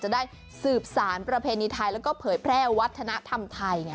จะได้สืบสารประเพณีไทยแล้วก็เผยแพร่วัฒนธรรมไทย